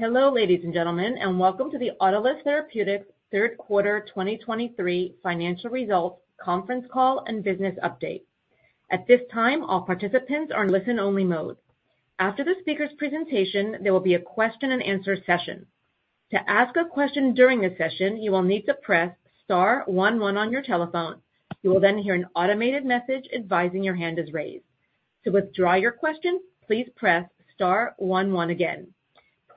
Hello, ladies and gentlemen, and welcome to the Autolus Therapeutics third quarter 2023 financial results conference call and business update. At this time, all participants are in listen-only mode. After the speaker's presentation, there will be a question and answer session. To ask a question during the session, you will need to press star one one on your telephone. You will then hear an automated message advising your hand is raised. To withdraw your question, please press star one one again.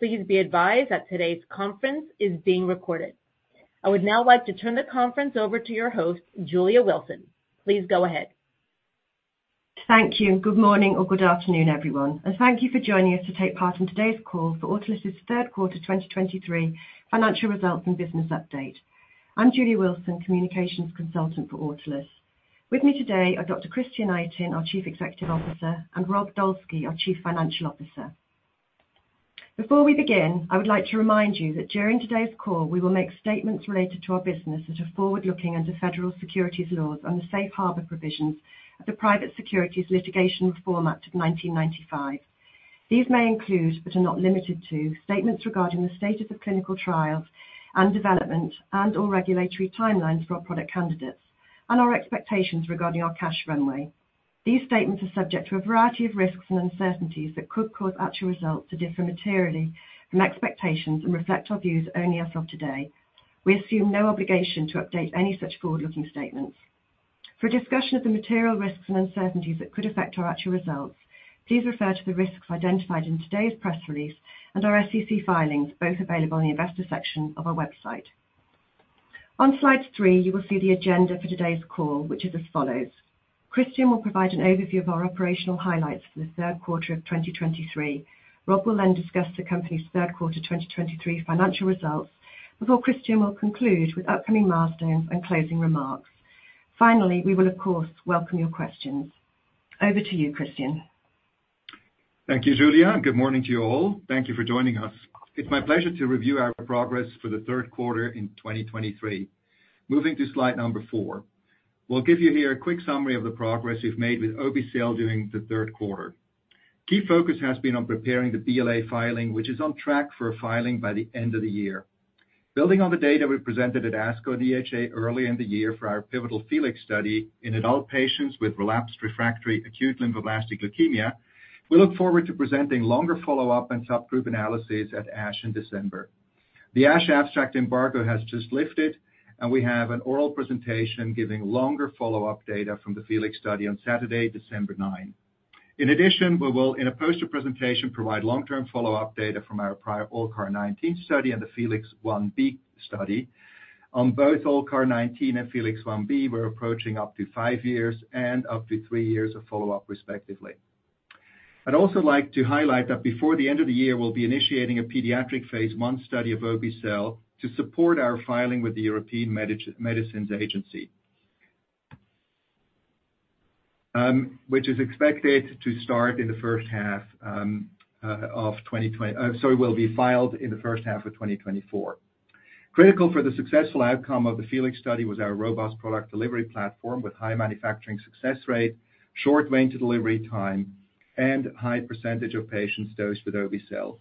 Please be advised that today's conference is being recorded. I would now like to turn the conference over to your host, Julia Wilson. Please go ahead. Thank you. Good morning or good afternoon, everyone, and thank you for joining us to take part in today's call for Autolus's third quarter 2023 financial results and business update. I'm Julia Wilson, Communications Consultant for Autolus. With me today are Dr. Christian Itin, our Chief Executive Officer, and Rob Dolski, our Chief Financial Officer. Before we begin, I would like to remind you that during today's call, we will make statements related to our business that are forward-looking under federal securities laws and the safe harbor provisions of the Private Securities Litigation Reform Act of 1995. These may include, but are not limited to, statements regarding the status of clinical trials and development and/or regulatory timelines for our product candidates and our expectations regarding our cash runway. These statements are subject to a variety of risks and uncertainties that could cause actual results to differ materially from expectations and reflect our views only as of today. We assume no obligation to update any such forward-looking statements. For a discussion of the material risks and uncertainties that could affect our actual results, please refer to the risks identified in today's press release and our SEC filings, both available on the investor section of our website. On slide three, you will see the agenda for today's call, which is as follows: Christian will provide an overview of our operational highlights for the third quarter of 2023. Rob will then discuss the company's third quarter 2023 financial results, before Christian will conclude with upcoming milestones and closing remarks. Finally, we will, of course, welcome your questions. Over to you, Christian. Thank you, Julia. Good morning to you all. Thank you for joining us. It's my pleasure to review our progress for the third quarter in 2023. Moving to slide number four. We'll give you here a quick summary of the progress we've made with obe-cel during the third quarter. Key focus has been on preparing the BLA filing, which is on track for a filing by the end of the year. Building on the data we presented at ASCO and EHA early in the year for our pivotal FELIX study in adult patients with relapsed refractory acute lymphoblastic leukemia, we look forward to presenting longer follow-up and subgroup analyses at ASH in December. The ASH abstract embargo has just lifted, and we have an oral presentation giving longer follow-up data from the FELIX study on Saturday, December 9. In addition, we will, in a poster presentation, provide long-term follow-up data from our prior ALLCAR19 study and the FELIX Ib study. On both ALLCAR19 and FELIX Ib, we're approaching up to five years and up to three years of follow-up, respectively. I'd also like to highlight that before the end of the year, we'll be initiating a pediatric phase I study of obe-cel to support our filing with the European Medicines Agency, which is expected to start in the first half, will be filed in the first half of 2024. Critical for the successful outcome of the FELIX study was our robust product delivery platform with high manufacturing success rate, short range delivery time, and high percentage of patients dosed with obe-cel.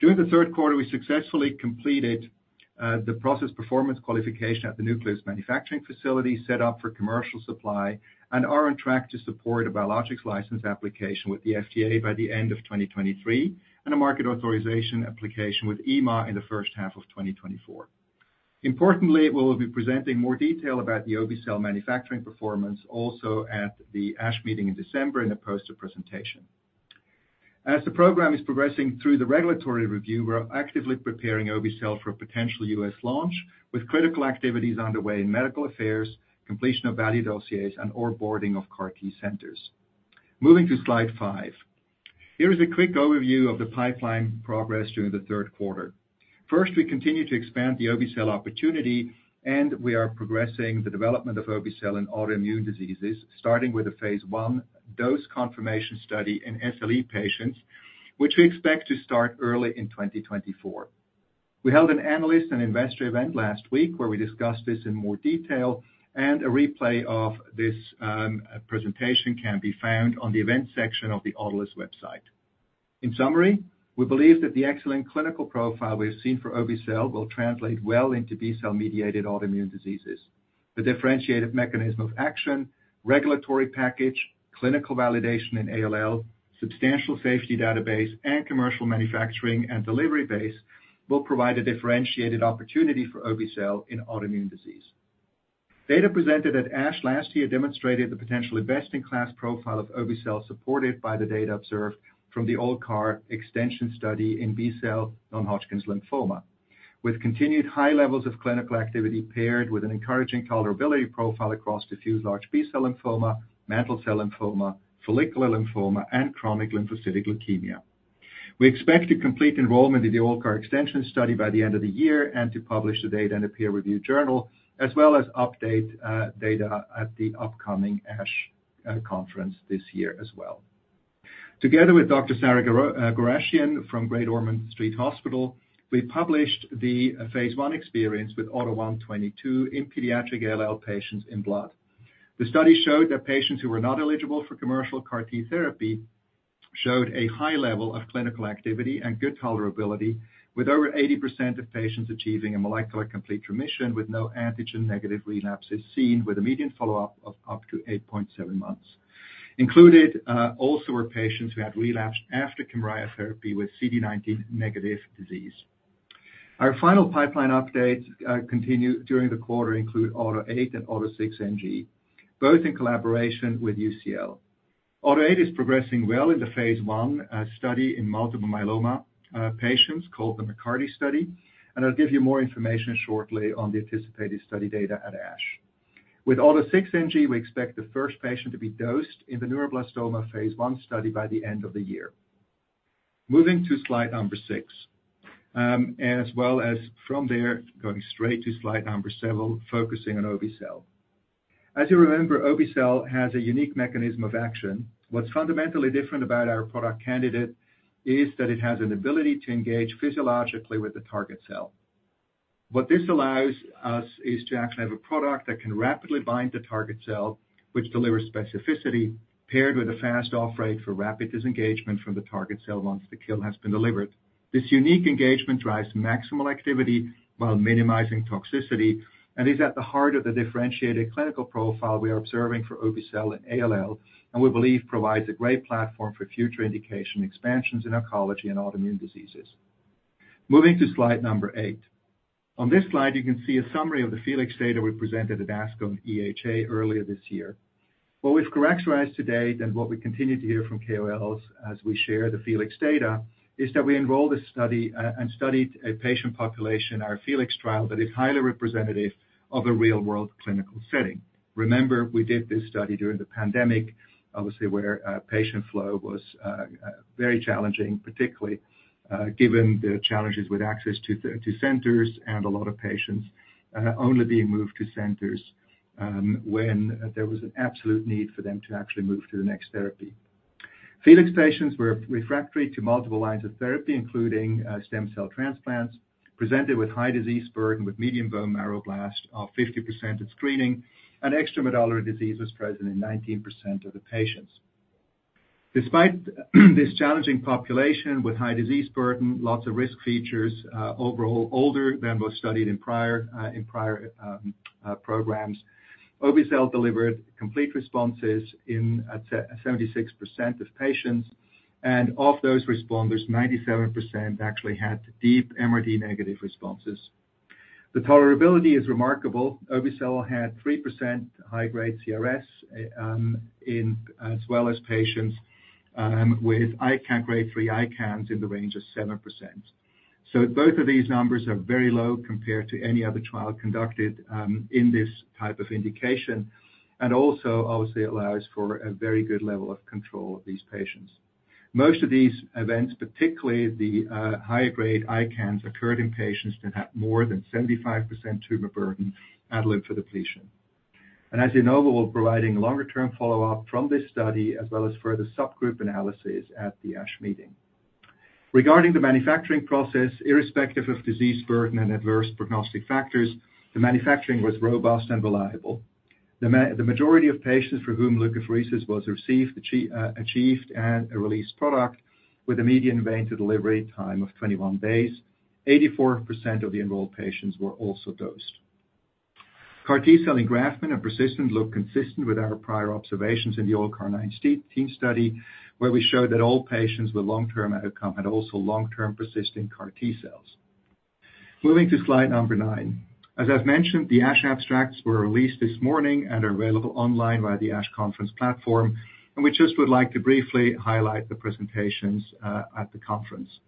During the third quarter, we successfully completed the process performance qualification at The Nucleus manufacturing facility set up for commercial supply and are on track to support a biologics license application with the FDA by the end of 2023, and a market authorization application with EMA in the first half of 2024. Importantly, we will be presenting more detail about the obe-cel manufacturing performance also at the ASH meeting in December in a poster presentation. As the program is progressing through the regulatory review, we are actively preparing obe-cel for a potential U.S. launch, with critical activities underway in medical affairs, completion of value dossiers, and onboarding of CAR T centers. Moving to slide five. Here is a quick overview of the pipeline progress during the third quarter. First, we continue to expand the obe-cel opportunity, and we are progressing the development of obe-cel in autoimmune diseases, starting with a phase I dose confirmation study in SLE patients, which we expect to start early in 2024. We held an analyst and investor event last week, where we discussed this in more detail, and a replay of this, presentation can be found on the events section of the Autolus website. In summary, we believe that the excellent clinical profile we've seen for obe-cel will translate well into B-cell mediated autoimmune diseases. The differentiated mechanism of action, regulatory package, clinical validation in ALL, substantial safety database, and commercial manufacturing and delivery base will provide a differentiated opportunity for obe-cel in autoimmune disease. Data presented at ASH last year demonstrated the potentially best-in-class profile of obe-cel, supported by the data observed from the obe-cel extension study in B-cell non-Hodgkin's lymphoma, with continued high levels of clinical activity paired with an encouraging tolerability profile across diffuse large B-cell lymphoma, mantle cell lymphoma, follicular lymphoma, and chronic lymphocytic leukemia. We expect to complete enrollment in the obe-cel extension study by the end of the year and to publish the data in a peer-reviewed journal, as well as update data at the upcoming ASH conference this year as well. Together with Dr. Sara Ghorashian from Great Ormond Street Hospital, we published the phase I experience with AUTO1/22 in pediatric ALL patients in B-ALL. The study showed that patients who were not eligible for commercial CAR T therapy showed a high level of clinical activity and good tolerability, with over 80% of patients achieving a molecular complete remission with no antigen-negative relapses seen, with a median follow-up of up to 8.7 months. Included, also were patients who had relapsed after Kymriah therapy with CD19 negative disease. Our final pipeline updates, continued during the quarter include AUTO8 and AUTO6NG, both in collaboration with UCL. AUTO8 is progressing well in the phase I study in multiple myeloma patients called the MCARTY study, and I'll give you more information shortly on the anticipated study data at ASH. With AUTO6NG, we expect the first patient to be dosed in the neuroblastoma phase I study by the end of the year. Moving to slide six, as well as from there, going straight to slide seven, focusing on obe-cel. As you remember, obe-cel has a unique mechanism of action. What's fundamentally different about our product candidate is that it has an ability to engage physiologically with the target cell. What this allows us is to actually have a product that can rapidly bind the target cell, which delivers specificity paired with a fast off rate for rapid disengagement from the target cell once the kill has been delivered. This unique engagement drives maximal activity while minimizing toxicity, and is at the heart of the differentiated clinical profile we are observing for obe-cel and ALL, and we believe provides a great platform for future indication expansions in oncology and autoimmune diseases. Moving to slide eight. On this slide, you can see a summary of the FELIX data we presented at ASCO/EHA earlier this year. What we've characterized to date and what we continue to hear from KOLs as we share the FELIX data, is that we enrolled a study, and studied a patient population, our FELIX trial, that is highly representative of a real-world clinical setting. Remember, we did this study during the pandemic, obviously, where patient flow was very challenging, particularly, given the challenges with access to centers, and a lot of patients only being moved to centers, when there was an absolute need for them to actually move to the next therapy. FELIX patients were refractory to multiple lines of therapy, including stem cell transplants, presented with high disease burden, with median bone marrow blast of 50% at screening, and extramedullary disease was present in 19% of the patients. Despite this challenging population with high disease burden, lots of risk features, overall older than was studied in prior programs, obe-cel delivered complete responses in 76% of patients, and of those responders, 97% actually had deep MRD negative responses. The tolerability is remarkable. Obe-cel had 3% high-grade CRS, as well as patients with ICANS Grade Three, ICANS in the range of 7%. So both of these numbers are very low compared to any other trial conducted in this type of indication, and also obviously allows for a very good level of control of these patients. Most of these events, particularly the high-grade ICANS, occurred in patients that had more than 75% tumor burden at lymphodepletion. And as you know, we're providing longer-term follow-up from this study, as well as further subgroup analyses at the ASH meeting. Regarding the manufacturing process, irrespective of disease burden and adverse prognostic factors, the manufacturing was robust and reliable. The majority of patients for whom leukapheresis was received achieved and a released product with a median vein to delivery time of 21 days. 84% of the enrolled patients were also dosed. CAR T cell engraftment and persistence look consistent with our prior observations in the ALLCAR19 study, where we showed that all patients with long-term outcome had also long-term persistent CAR T cells. Moving to slide number nine. As I've mentioned, the ASH abstracts were released this morning and are available online via the ASH conference platform, and we just would like to briefly highlight the presentations at the conference.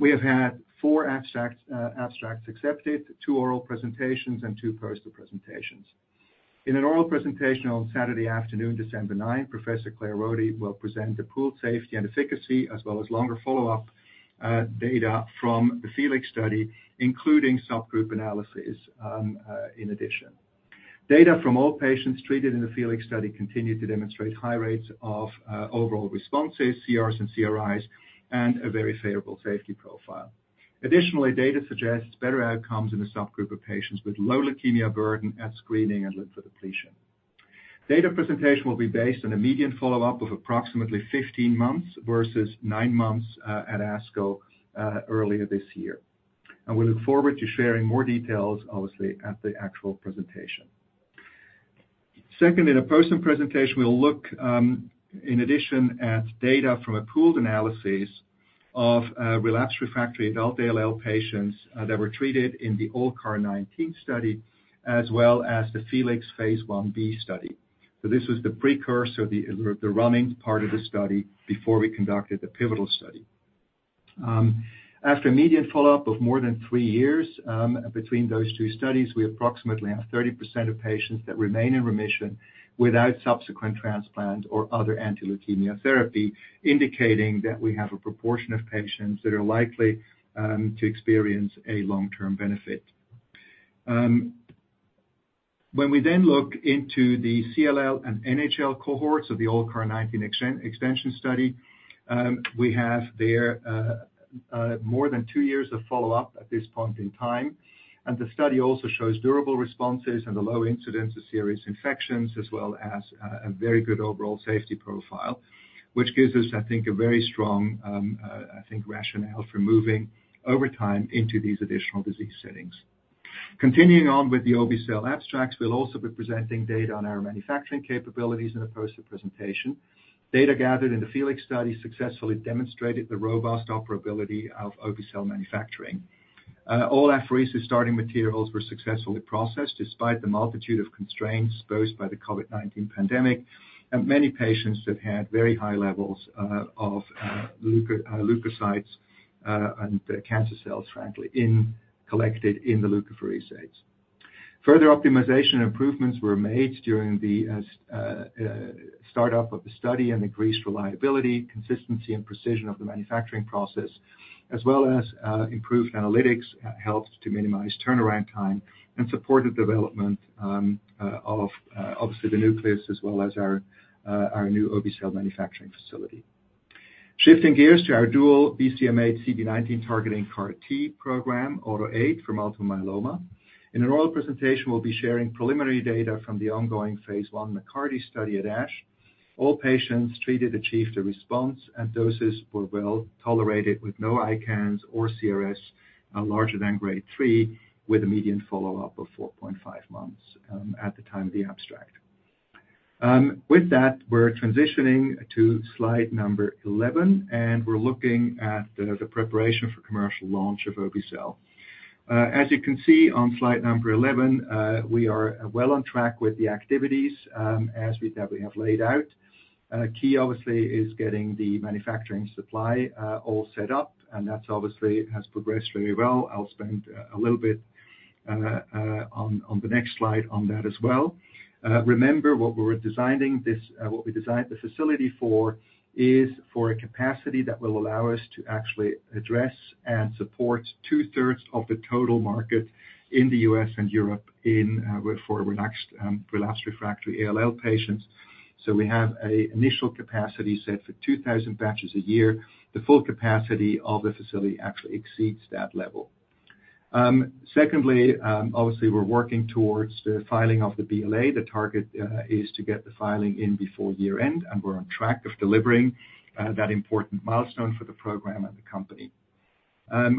We have had four abstracts accepted, two oral presentations, and two poster presentations. In an oral presentation on Saturday afternoon, December 9, Professor Claire Roddie will present the pooled safety and efficacy, as well as longer follow-up data from the FELIX study, including subgroup analysis, in addition. Data from all patients treated in the FELIX study continued to demonstrate high rates of overall responses, CRS and CRis, and a very favorable safety profile. Additionally, data suggests better outcomes in a subgroup of patients with low leukemia burden at screening and lymphodepletion. Data presentation will be based on a median follow-up of approximately 15 months versus nine months at ASCO earlier this year, and we look forward to sharing more details, obviously, at the actual presentation. Secondly, the poster presentation will look in addition at data from a pooled analysis of relapsed refractory adult ALL patients that were treated in the ALLCAR19 study, as well as the FELIX phase Ib study. So this was the precursor, the running part of the study before we conducted the pivotal study. After a median follow-up of more than three years, between those two studies, we approximately have 30% of patients that remain in remission without subsequent transplant or other anti-leukemia therapy, indicating that we have a proportion of patients that are likely to experience a long-term benefit. When we then look into the CLL and NHL cohorts of the ALLCAR19 extension study, we have there more than two years of follow-up at this point in time. The study also shows durable responses and a low incidence of serious infections, as well as a very good overall safety profile, which gives us, I think, a very strong rationale for moving over time into these additional disease settings. Continuing on with the obe-cel abstracts, we'll also be presenting data on our manufacturing capabilities in a poster presentation. Data gathered in the FELIX study successfully demonstrated the robust operability of obe-cel manufacturing. All apheresis starting materials were successfully processed despite the multitude of constraints posed by the COVID-19 pandemic, and many patients that had very high levels of leukocytes and cancer cells, frankly, collected in the leukapheresis. Further optimization improvements were made during the start-up of the study and increased reliability, consistency, and precision of the manufacturing process, as well as improved analytics helped to minimize turnaround time and supported development of obviously The Nucleus as well as our new obe-cel manufacturing facility. Shifting gears to our dual BCMA, CD19 targeting CAR T program, AUTO8, for multiple myeloma. In an oral presentation, we'll be sharing preliminary data from the ongoing phase I MCARTY study at ASH. All patients treated achieved a response, and doses were well tolerated with no ICANS or CRS larger than Grade Three, with a median follow-up of 4.5 months at the time of the abstract. With that, we're transitioning to slide number 11, and we're looking at the preparation for commercial launch of obe-cel. As you can see on slide number 11, we are well on track with the activities as we have laid out. Key, obviously, is getting the manufacturing supply all set up, and that's obviously has progressed very well. I'll spend a little bit on the next slide on that as well. Remember, what we designed the facility for is for a capacity that will allow us to actually address and support 2/3 of the total market in the U.S. and Europe in for relapsed/refractory ALL patients. So we have an initial capacity set for 2,000 batches a year. The full capacity of the facility actually exceeds that level. Secondly, obviously, we're working towards the filing of the BLA. The target is to get the filing in before year-end, and we're on track of delivering that important milestone for the program and the company.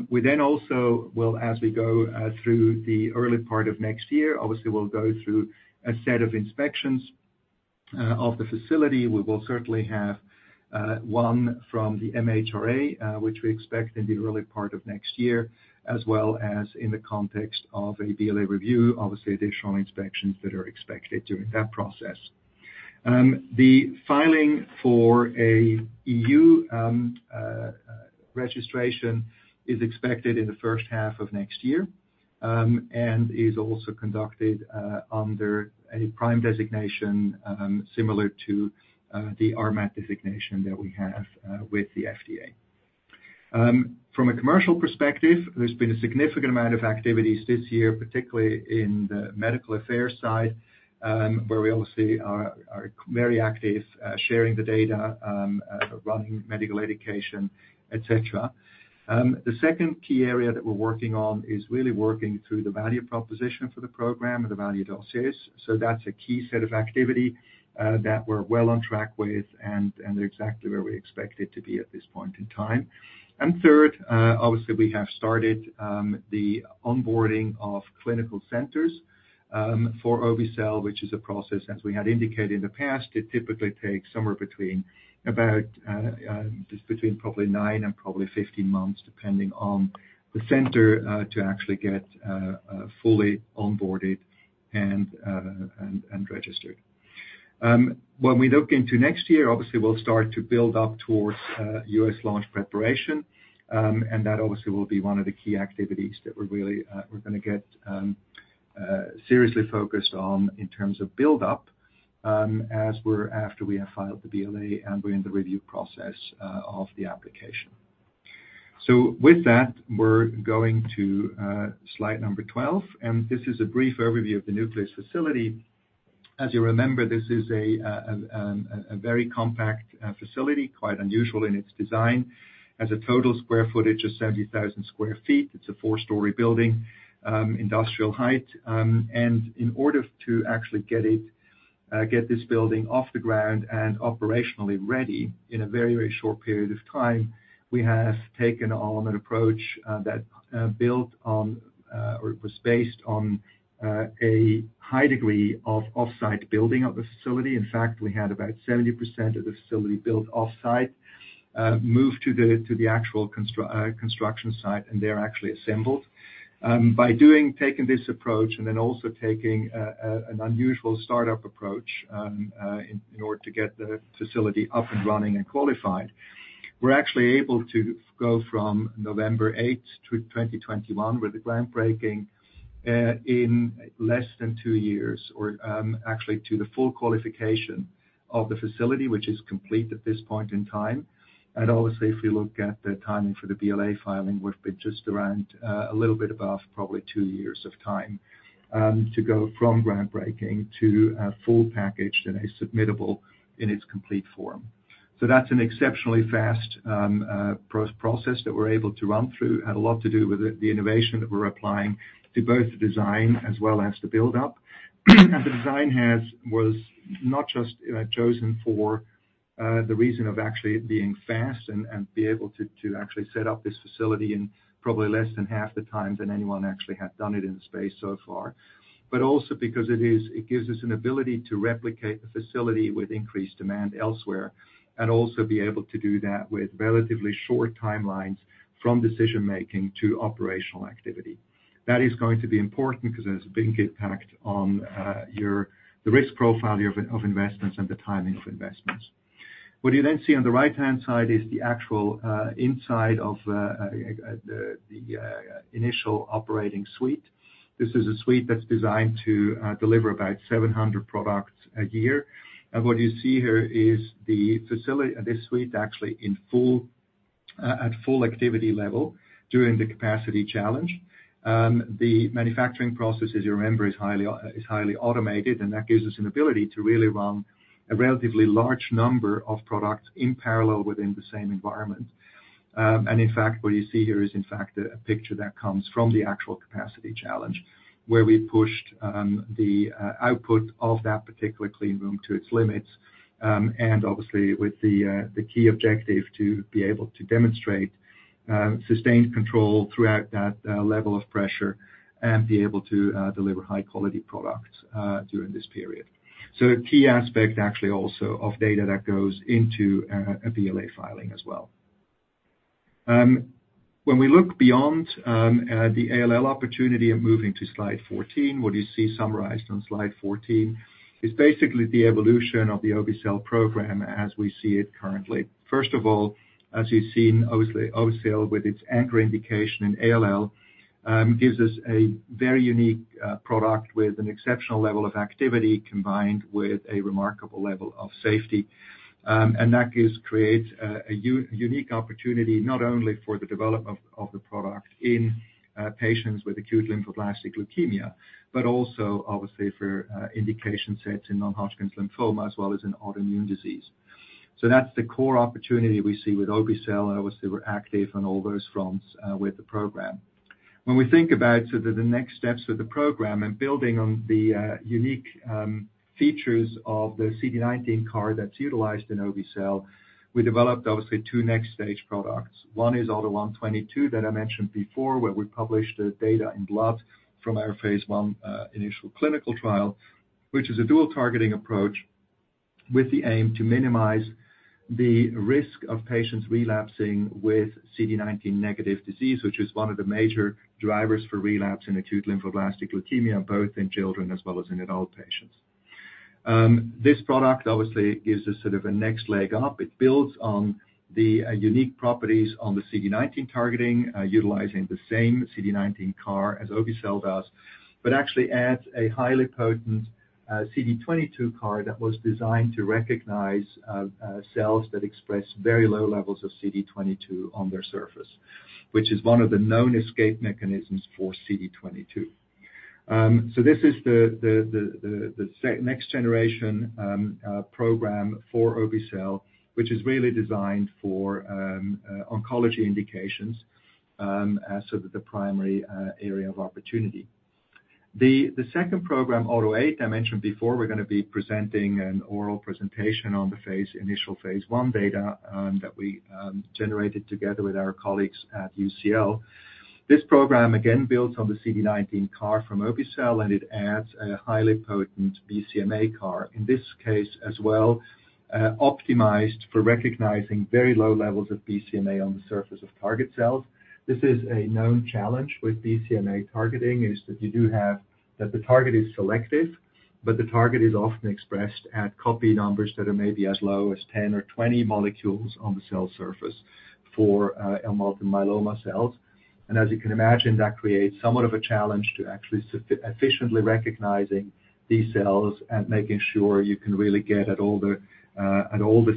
We then also will, as we go through the early part of next year, obviously, we'll go through a set of inspections of the facility. We will certainly have one from the MHRA, which we expect in the early part of next year, as well as in the context of a BLA review, obviously, additional inspections that are expected during that process. The filing for an EU registration is expected in the first half of next year, and is also conducted under a PRIME designation, similar to the RMAT designation that we have with the FDA. From a commercial perspective, there's been a significant amount of activities this year, particularly in the medical affairs side, where we obviously are very active sharing the data, running medical education, et cetera. The second key area that we're working on is really working through the value proposition for the program and the value doses. So that's a key set of activity, that we're well on track with and, and exactly where we expect it to be at this point in time. And third, obviously, we have started, the onboarding of clinical centers, for obe-cel, which is a process, as we had indicated in the past, it typically takes somewhere between about, between probably nine and probably 15 months, depending on the center, to actually get, fully onboarded and, and, and registered. When we look into next year, obviously, we'll start to build up towards U.S. launch preparation, and that obviously will be one of the key activities that we're really gonna get seriously focused on in terms of build-up, as we're after we have filed the BLA and we're in the review process of the application. So with that, we're going to slide number 12, and this is a brief overview of The Nucleus facility. As you remember, this is a very compact facility, quite unusual in its design. Has a total square footage of 70,000 sq ft. It's a four-story building, industrial height, and in order to actually get it, get this building off the ground and operationally ready in a very, very short period of time, we have taken on an approach that built on or it was based on a high degree of off-site building of the facility. In fact, we had about 70% of the facility built off-site, moved to the actual construction site, and they're actually assembled. By doing, taking this approach and then also taking an unusual start-up approach, in order to get the facility up and running and qualified, we're actually able to go from November 8, 2021, with the groundbreaking, in less than two years, or actually, to the full qualification of the facility, which is complete at this point in time. And obviously, if we look at the timing for the BLA filing, we've been just around a little bit above probably two years of time to go from groundbreaking to a full package that is submittable in its complete form. So that's an exceptionally fast process that we're able to run through. Had a lot to do with the innovation that we're applying to both the design as well as the build up. The design was not just, you know, chosen for the reason of actually it being fast and be able to actually set up this facility in probably less than half the time than anyone actually had done it in the space so far. But also because it gives us an ability to replicate the facility with increased demand elsewhere, and also be able to do that with relatively short timelines from decision-making to operational activity. That is going to be important because there's a big impact on the risk profile of investments and the timing of investments. What you then see on the right-hand side is the actual inside of the initial operating suite. This is a suite that's designed to deliver about 700 products a year. What you see here is the facility, this suite, actually, in full, at full activity level during the capacity challenge. The manufacturing process, as you remember, is highly, is highly automated, and that gives us an ability to really run a relatively large number of products in parallel within the same environment. And in fact, what you see here is, in fact, a picture that comes from the actual capacity challenge, where we pushed the output of that particular clean room to its limits. And obviously, with the key objective to be able to demonstrate sustained control throughout that level of pressure and be able to deliver high-quality products during this period. A key aspect, actually, also of data that goes into a BLA filing as well. When we look beyond the ALL opportunity and moving to slide 14, what you see summarized on slide 14 is basically the evolution of the obe-cel program as we see it currently. First of all, as you've seen, obviously, obe-cel with its anchor indication in ALL gives us a very unique product with an exceptional level of activity, combined with a remarkable level of safety. And that creates a unique opportunity, not only for the development of the product in patients with acute lymphoblastic leukemia, but also, obviously, for indication sets in non-Hodgkin lymphoma, as well as in autoimmune disease. So that's the core opportunity we see with obe-cel, and obviously, we're active on all those fronts with the program. When we think about sort of the next steps of the program and building on the unique features of the CD19 CAR That's utilized in obe-cel, we developed, obviously, two next stage products. One is AUTO1/22, that I mentioned before, where we published the data in B-ALL from our phase I initial clinical trial, which is a dual targeting approach with the aim to minimize the risk of patients relapsing with CD19 negative disease, which is one of the major drivers for relapse in acute lymphoblastic leukemia, both in children as well as in adult patients. This product obviously gives us sort of a next leg up. It builds on the unique properties on the CD19 targeting, utilizing the same CD19 CAR as obe-cel does, but actually adds a highly potent CD22 CAR That was designed to recognize cells that express very low levels of CD22 on their surface, which is one of the known escape mechanisms for CD22. So this is the next generation program for obe-cel, which is really designed for oncology indications, as sort of the primary area of opportunity. The second program, AUTO8, I mentioned before, we're gonna be presenting an oral presentation on the initial phase I data that we generated together with our colleagues at UCL. This program again builds on the CD19 CAR from obe-cel, and it adds a highly potent BCMA CAR. In this case as well, optimized for recognizing very low levels of BCMA on the surface of target cells. This is a known challenge with BCMA targeting, is that you do have that the target is selective, but the target is often expressed at copy numbers that are maybe as low as 10 or 20 molecules on the cell surface for multiple myeloma cells. And as you can imagine, that creates somewhat of a challenge to actually efficiently recognizing these cells and making sure you can really get at all the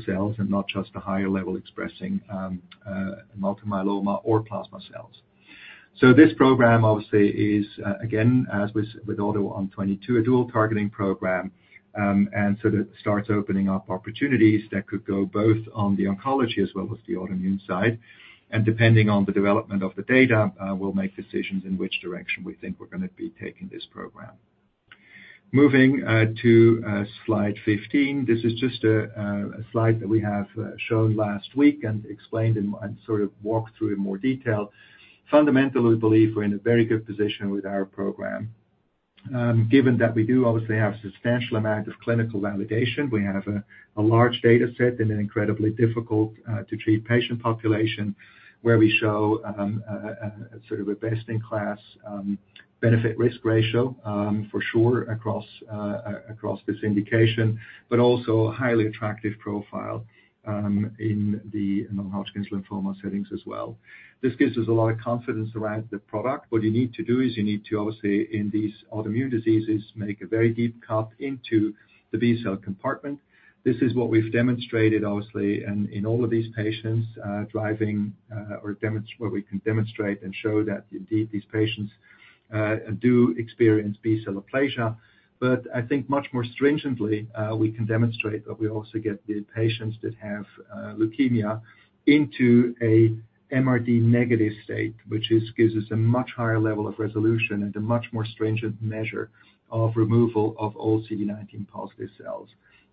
cells and not just the higher level expressing multiple myeloma or plasma cells. So this program, obviously, is again, as with AUTO1/22, a dual targeting program, and so that starts opening up opportunities that could go both on the oncology as well as the autoimmune side. Depending on the development of the data, we'll make decisions in which direction we think we're gonna be taking this program. Moving to slide 15, this is just a slide that we have shown last week and explained and sort of walked through in more detail. Fundamentally, we believe we're in a very good position with our program. Given that we do obviously have a substantial amount of clinical validation, we have a large data set and an incredibly difficult to treat patient population, where we show a sort of a best-in-class benefit risk ratio for sure across across this indication, but also a highly attractive profile in the non-Hodgkin's lymphoma settings as well. This gives us a lot of confidence around the product. What you need to do is you need to, obviously, in these autoimmune diseases, make a very deep cut into the B-cell compartment. This is what we've demonstrated, obviously, and in all of these patients, where we can demonstrate and show that indeed, these patients do experience B-cell aplasia. But I think much more stringently, we can demonstrate that we also get the patients that have leukemia into a MRD negative state, which gives us a much higher level of resolution and a much more stringent measure of removal of all CD19-positive cells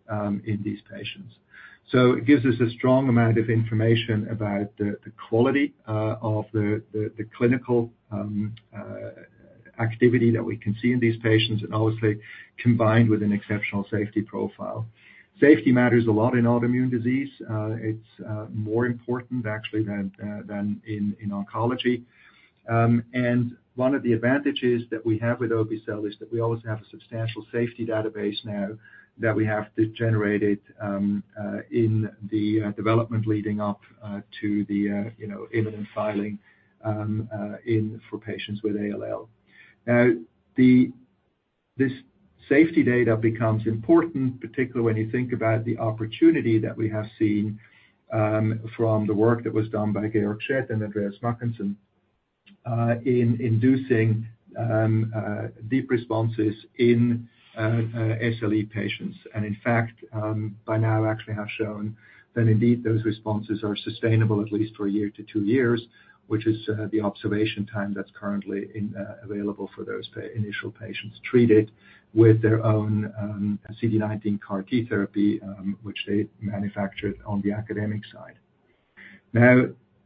in these patients. So it gives us a strong amount of information about the quality of the clinical activity that we can see in these patients, and obviously, combined with an exceptional safety profile. Safety matters a lot in autoimmune disease. It's more important actually than in oncology. And one of the advantages that we have with obe-cel is that we always have a substantial safety database now that we have generated in the development leading up to the, you know, imminent filing for patients with ALL. Now, this safety data becomes important, particularly when you think about the opportunity that we have seen from the work that was done by Georg Schett and Andreas Mackensen in inducing deep responses in SLE patients. In fact, by now actually have shown that indeed, those responses are sustainable at least for a year to two years, which is the observation time that's currently in available for those initial patients treated with their own CD19 CAR T therapy, which they manufactured on the academic side. Now,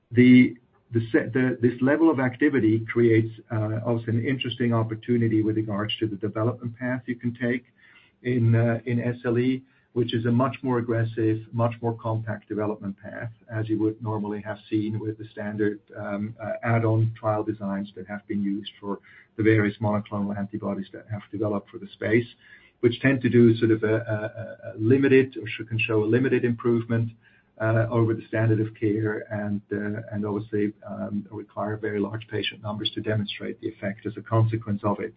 this level of activity creates, obviously an interesting opportunity with regards to the development path you can take in SLE, which is a much more aggressive, much more compact development path, as you would normally have seen with the standard add-on trial designs that have been used for the various monoclonal antibodies that have developed for the space, which tend to do sort of a limited, or can show a limited improvement over the standard of care, and obviously require very large patient numbers to demonstrate the effect as a consequence of it.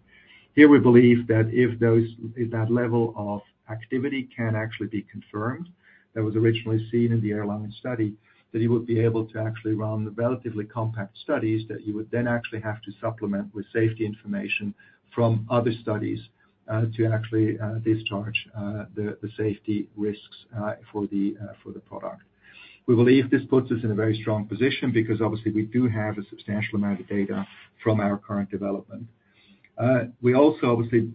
Here we believe that if those, if that level of activity can actually be confirmed, that was originally seen in the ALLCAR19 study, that you would be able to actually run the relatively compact studies that you would then actually have to supplement with safety information from other studies, to actually discharge the safety risks for the product. We believe this puts us in a very strong position because obviously, we do have a substantial amount of data from our current development. We also, obviously,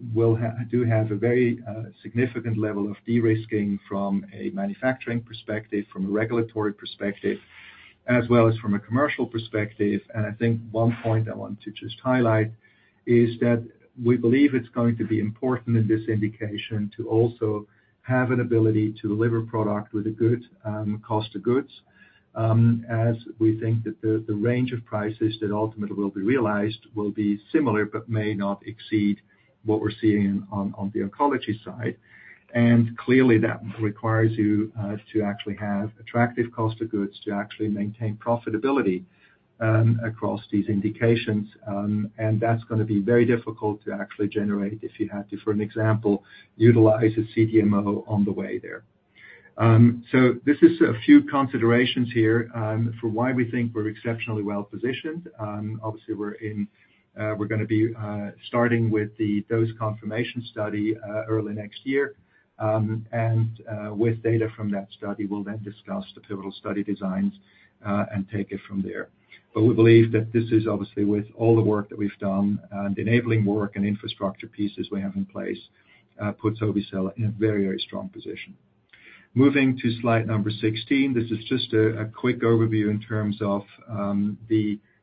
do have a very significant level of de-risking from a manufacturing perspective, from a regulatory perspective, as well as from a commercial perspective. I think one point I want to just highlight is that we believe it's going to be important in this indication to also have an ability to deliver product with a good, cost of goods, as we think that the range of prices that ultimately will be realized will be similar, but may not exceed what we're seeing on the oncology side. Clearly, that requires you to actually have attractive cost of goods to actually maintain profitability across these indications. That's gonna be very difficult to actually generate if you had to, for example, utilize a CDMO on the way there. This is a few considerations here for why we think we're exceptionally well positioned. Obviously, we're gonna be starting with the dose confirmation study early next year. With data from that study, we'll then discuss the pivotal study designs and take it from there. But we believe that this is obviously with all the work that we've done, and enabling work and infrastructure pieces we have in place, puts obe-cel in a very, very strong position. Moving to slide number 16, this is just a quick overview in terms of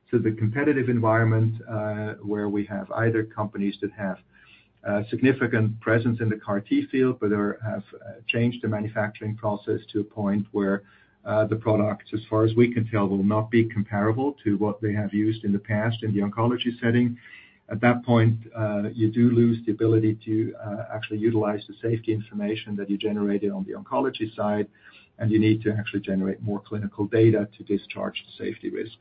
so the competitive environment, where we have either companies that have significant presence in the CAR T field, but have changed the manufacturing process to a point where the product, as far as we can tell, will not be comparable to what they have used in the past in the oncology setting. At that point, you do lose the ability to actually utilize the safety information that you generated on the oncology side, and you need to actually generate more clinical data to discharge the safety risk.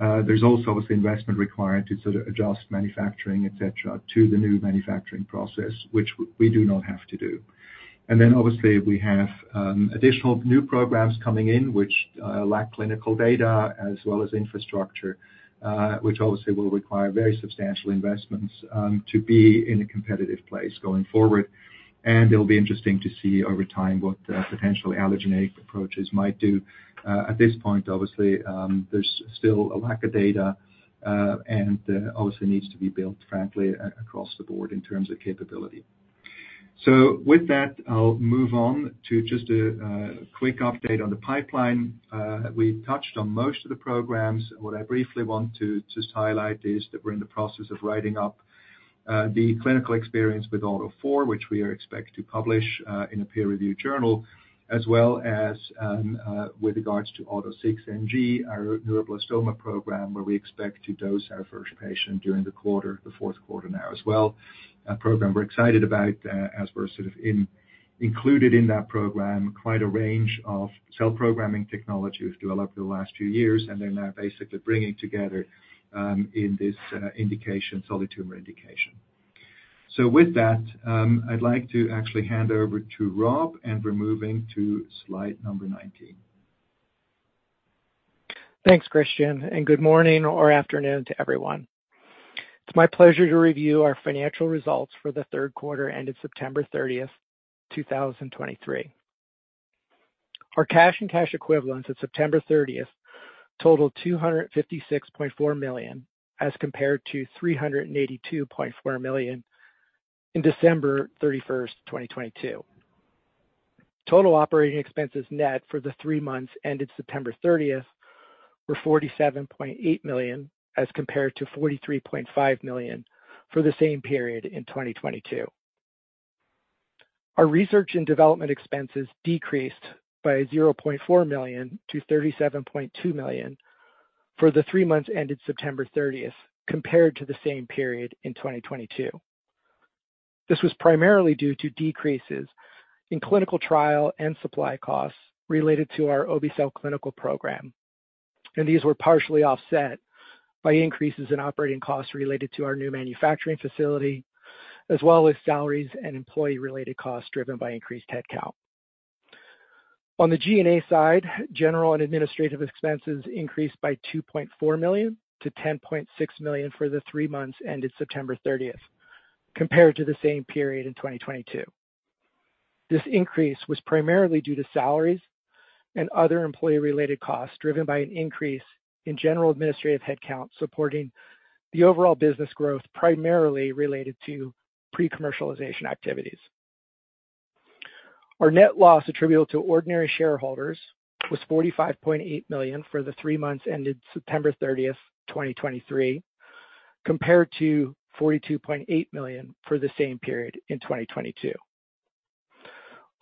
There's also, obviously, investment required to sort of adjust manufacturing, et cetera, to the new manufacturing process, which we do not have to do. And then obviously, we have additional new programs coming in, which lack clinical data as well as infrastructure, which obviously will require very substantial investments to be in a competitive place going forward. And it'll be interesting to see over time what potential allogeneic approaches might do. At this point, obviously, there's still a lack of data, and obviously needs to be built frankly across the board in terms of capability. So with that, I'll move on to just a quick update on the pipeline. We touched on most of the programs. What I briefly want to just highlight is that we're in the process of writing up the clinical experience with AUTO4, which we expect to publish in a peer review journal, as well as with regards to AUTO6NG, our neuroblastoma program, where we expect to dose our first patient during the quarter, the fourth quarter now as well. A program we're excited about, as we're sort of included in that program, quite a range of cell programming technology we've developed over the last few years, and they're now basically bringing together in this indication, solid tumor indication. So with that, I'd like to actually hand over to Rob, and we're moving to slide number 19. Thanks, Christian, and good morning or afternoon to everyone. It's my pleasure to review our financial results for the third quarter, ended September 30, 2023. Our cash and cash equivalents at September 30 totaled $256.4 million, as compared to $382.4 million in December 31, 2022. Total operating expenses net for the three months ended September 30, were $47.8 million, as compared to $43.5 million for the same period in 2022. Our research and development expenses decreased by $0.4 million-$37.2 million for the three months ended September 30th, compared to the same period in 2022. This was primarily due to decreases in clinical trial and supply costs related to our obe-cel clinical program, and these were partially offset by increases in operating costs related to our new manufacturing facility, as well as salaries and employee-related costs driven by increased headcount. On the G&A side, general and administrative expenses increased by $2.4 million-$10.6 million for the three months ended September 30, compared to the same period in 2022. This increase was primarily due to salaries and other employee-related costs, driven by an increase in general administrative headcount, supporting the overall business growth, primarily related to pre-commercialization activities. Our net loss attributable to ordinary shareholders was $45.8 million for the three months ended September 30th, 2023, compared to $42.8 million for the same period in 2022.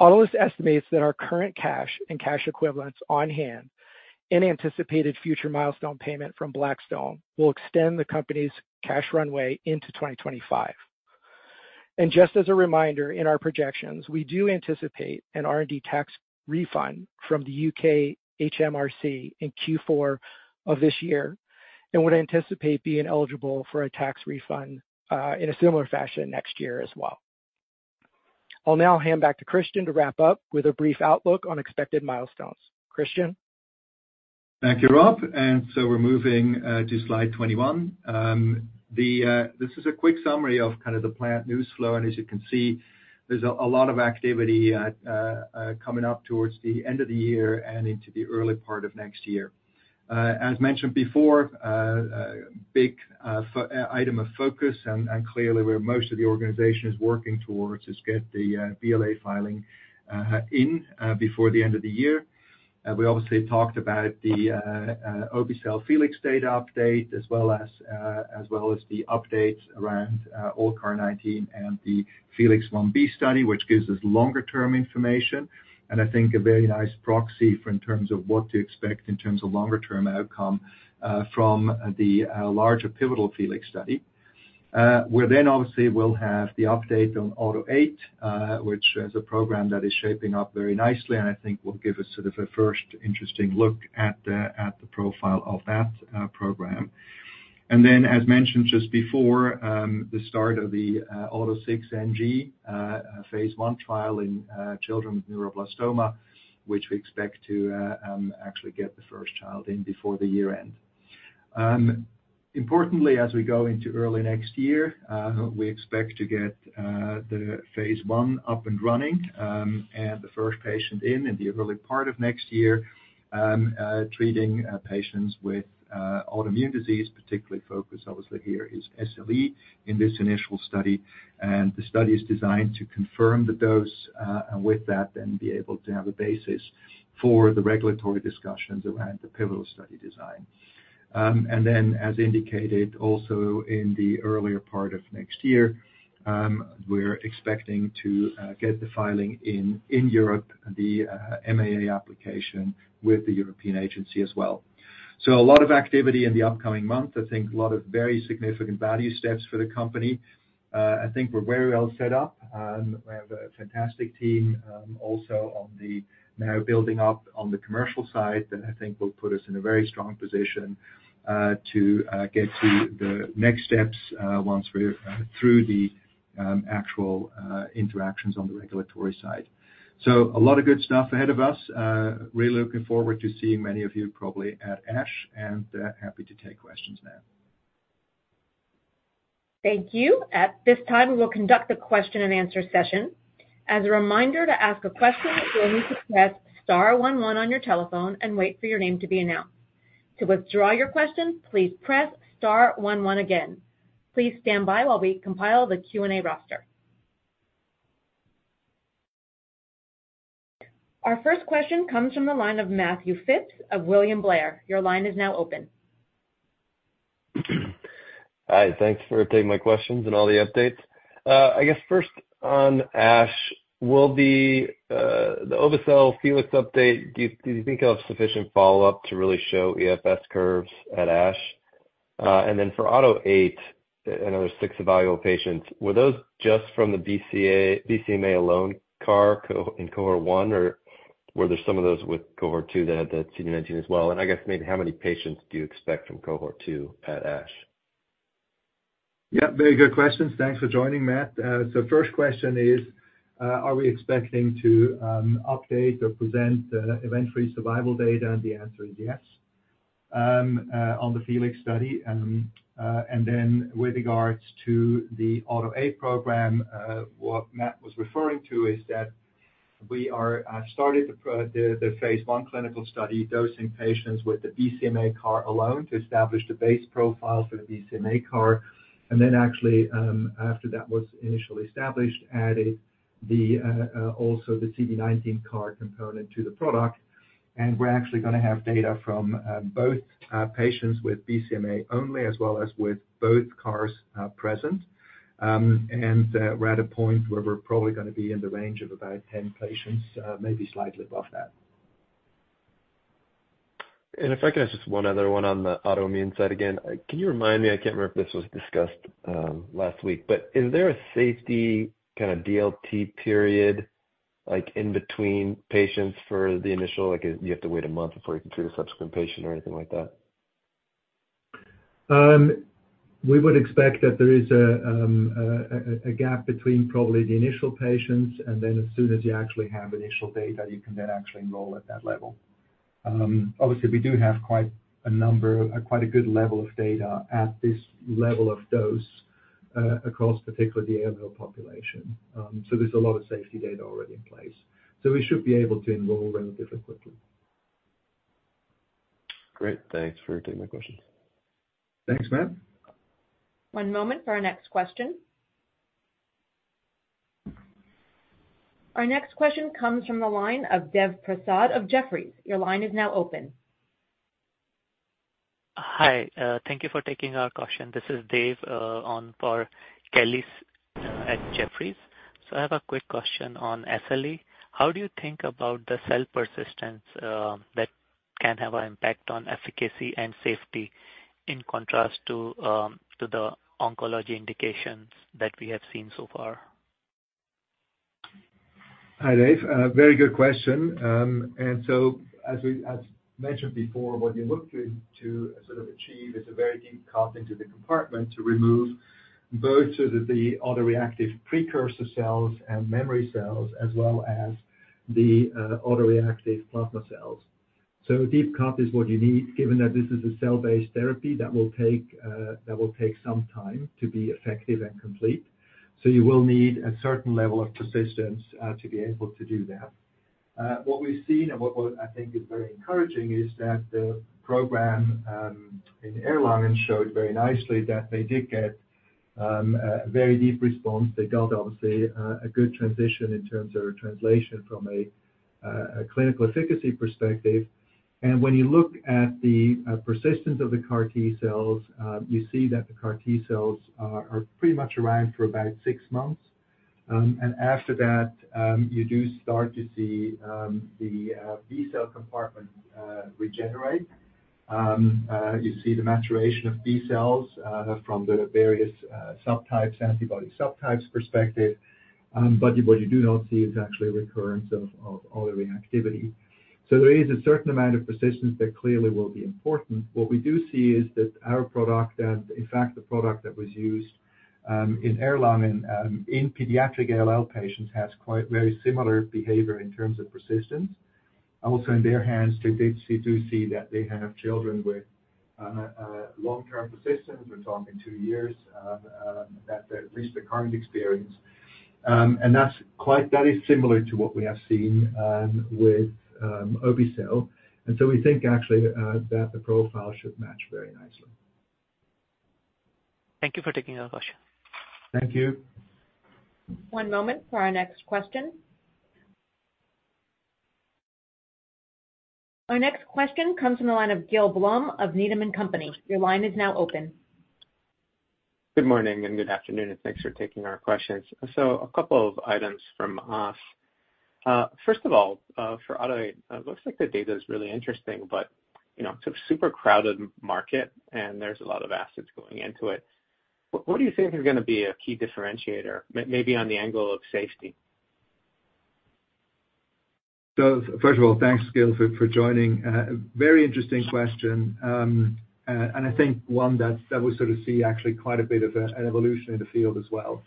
Autolus estimates that our current cash and cash equivalents on hand and anticipated future milestone payment from Blackstone will extend the company's cash runway into 2025. Just as a reminder, in our projections, we do anticipate an R&D tax refund from the U.K. HMRC in Q4 of this year, and would anticipate being eligible for a tax refund in a similar fashion next year as well. I'll now hand back to Christian to wrap up with a brief outlook on expected milestones. Christian? Thank you, Rob. And so we're moving to slide 21. This is a quick summary of kind of the planned news flow, and as you can see, there's a lot of activity coming up towards the end of the year and into the early part of next year. As mentioned before, big item of focus and clearly where most of the organization is working towards is get the BLA filing in before the end of the year. We obviously talked about the obe-cel FELIX data update, as well as the updates around ALLCAR19 and the FELIX Ib study, which gives us longer term information. And I think a very nice proxy for in terms of what to expect in terms of longer term outcome from the larger pivotal FELIX study. We're then obviously will have the update on AUTO8, which is a program that is shaping up very nicely and I think will give us sort of a first interesting look at the profile of that program. And then, as mentioned just before, the start of the AUTO6NG phase I trial in children with neuroblastoma, which we expect to actually get the first child in before the year end. Importantly, as we go into early next year, we expect to get the phase I up and running, and the first patient in, in the early part of next year, treating patients with autoimmune disease, particularly focused obviously here is SLE in this initial study. The study is designed to confirm the dose, and with that, then be able to have a basis for the regulatory discussions around the pivotal study design. Then as indicated also in the earlier part of next year, we're expecting to get the filing in, in Europe, the MAA application with the European agency as well. So a lot of activity in the upcoming month. I think a lot of very significant value steps for the company. I think we're very well set up, and we have a fantastic team, also on the now building up on the commercial side, that I think will put us in a very strong position to get to the next steps once we're through the actual interactions on the regulatory side. So a lot of good stuff ahead of us. Really looking forward to seeing many of you probably at ASH, and happy to take questions now. Thank you. At this time, we will conduct a question and answer session. As a reminder, to ask a question, you'll need to press star one one on your telephone and wait for your name to be announced. To withdraw your question, please press star one one again. Please stand by while we compile the Q&A roster. Our first question comes from the line of Matthew Phipps of William Blair. Your line is now open. Hi, thanks for taking my questions and all the updates. I guess first on ASH, will the, the obe-cel FELIX update, do, do you think you'll have sufficient follow-up to really show EFS curves at ASH? And then for AUTO8, another six evaluable patients, were those just from the BCMA alone CAR in cohort one, or were there some of those with cohort two that had the CD19 as well? And I guess maybe how many patients do you expect from cohort two at ASH? Yeah, very good questions. Thanks for joining, Matt. So first question is, are we expecting to update or present event-free survival data? And the answer is yes, on the FELIX study. And then with regards to the AUTO8 program, what Matt was referring to is that we started the phase I clinical study, dosing patients with the BCMA CAR alone to establish the base profile for the BCMA CAR, and then actually, after that was initially established, added also the CD19 CAR component to the product. And we're actually gonna have data from both patients with BCMA only, as well as with both CARs present. And we're at a point where we're probably gonna be in the range of about 10 patients, maybe slightly above that. If I could ask just one other one on the autoimmune side again. Can you remind me, I can't remember if this was discussed, last week, but is there a safety kind of DLT period, like, in between patients for the initial, like, you have to wait a month before you can treat a subsequent patient or anything like that? We would expect that there is a gap between probably the initial patients, and then as soon as you actually have initial data, you can then actually enroll at that level. Obviously, we do have quite a number, quite a good level of data at this level of dose, across particularly the ALL population. So there's a lot of safety data already in place, so we should be able to enroll relatively quickly. Great, thanks for taking my questions. Thanks, Matt. One moment for our next question. Our next question comes from the line of Dev Prasad of Jefferies. Your line is now open. Hi, thank you for taking our question. This is Dev, on for Kelly, at Jefferies. So I have a quick question on SLE. How do you think about the cell persistence, that can have an impact on efficacy and safety, in contrast to, to the oncology indications that we have seen so far? Hi, Dev. Very good question. And so as we, as mentioned before, what you're looking to sort of achieve is a very deep cut into the compartment to remove both so that the autoreactive precursor cells and memory cells, as well as the autoreactive plasma cells. Deep cut is what you need, given that this is a cell-based therapy that will take some time to be effective and complete. You will need a certain level of persistence to be able to do that. What we've seen and what I think is very encouraging is that the program in Erlangen showed very nicely that they did get a very deep response. They got, obviously, a good transition in terms of translation from a clinical efficacy perspective. When you look at the persistence of the CAR T cells, you see that the CAR T cells are pretty much around for about six months. After that, you do start to see the B-cell compartment regenerate. You see the maturation of B cells from the various subtypes, antibody subtypes perspective. But what you do not see is actually recurrence of alloreactivity. So there is a certain amount of persistence that clearly will be important. What we do see is that our product and, in fact, the product that was used in Erlangen in pediatric ALL patients, has quite very similar behavior in terms of persistence. Also, in their hands, they did see, do see that they have children with long-term persistence. We're talking two years, at least the current experience. And that's quite similar to what we have seen with obe-cel. And so we think actually that the profile should match very nicely. Thank you for taking our question. Thank you. One moment for our next question. Our next question comes from the line of Gil Blum of Needham & Company. Your line is now open. Good morning, and good afternoon, and thanks for taking our questions. A couple of items from us. First of all, for AUTO8, it looks like the data is really interesting, but, you know, it's a super crowded market, and there's a lot of assets going into it. What do you think is gonna be a key differentiator, maybe on the angle of safety? So first of all, thanks, Gil, for joining. A very interesting question, and I think one that we sort of see actually quite a bit of an evolution in the field as well.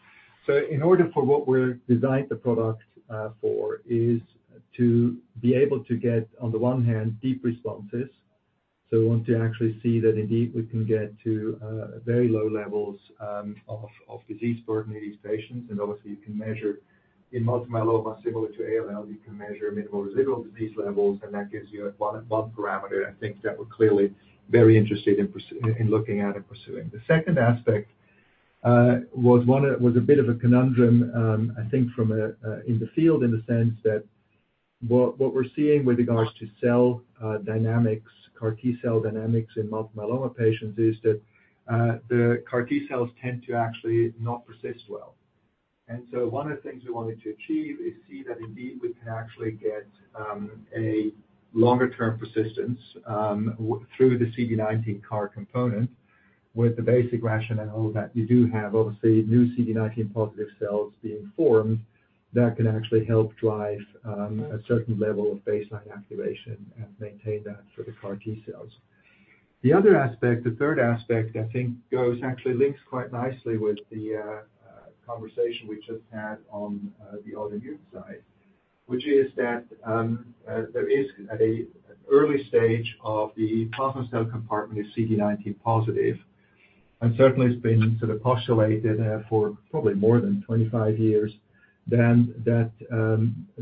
So in order for what we're designed the product for is to be able to get, on the one hand, deep responses. So we want to actually see that indeed we can get to very low levels of disease burden in these patients. And obviously, you can measure in multiple myeloma, similar to ALL, you can measure minimal residual disease levels, and that gives you one parameter, I think, that we're clearly very interested in looking at and pursuing. The second aspect was one, was a bit of a conundrum, I think from a, in the field, in the sense that what, what we're seeing with regards to cell, dynamics, CAR T cell dynamics in multiple myeloma patients, is that, the CAR T cells tend to actually not persist well. And so one of the things we wanted to achieve is see that indeed we can actually get, a longer term persistence, with the CD19 CAR component, with the basic rationale that you do have, obviously, new CD19 positive cells being formed that can actually help drive, a certain level of baseline activation and maintain that for the CAR T cells. The other aspect, the third aspect, I think, goes, actually links quite nicely with the, conversation we just had on, the autoimmune side, which is that, there is at a early stage of the plasma cell compartment is CD19 positive, and certainly it's been sort of postulated, for probably more than 25 years, then, that,